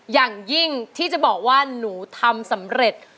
อย่างยิ่งที่จะบอกว่าหนูทำสำเร็จ